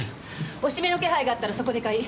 押目の気配があったらそこで買い。